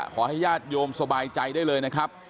ขอให้ญาติโยมสบายใจได้เลยนะครับ